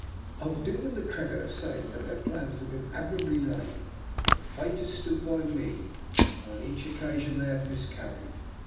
I will do them the credit of saying that their plans have been admirably laid, but Fate has stood by me, and on each occasion they have miscarried.